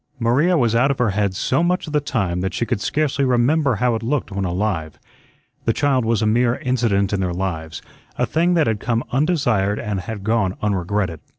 Maria was out of her head so much of the time that she could scarcely remember how it looked when alive. The child was a mere incident in their lives, a thing that had come undesired and had gone unregretted.